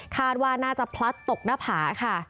คาดว่าน่าจะพลัดตกหน้าผาค่ะ